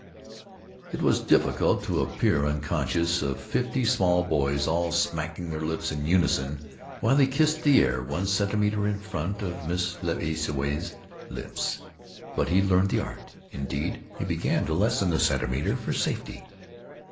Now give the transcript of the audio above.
It was difficult to appear unconscious of fifty small boys all smacking their lips in unison, while he kissed the air one centimeter in front of Miss L'Ewysse's lips. But he learned the art. Indeed, he began to lessen that centimeter of safety.